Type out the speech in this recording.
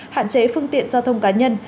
hạn chế phương tiện giao thông cá nhân